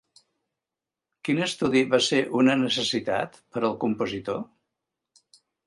Quin estudi va ser una necessitat per al compositor?